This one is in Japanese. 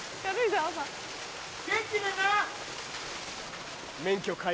元気でな。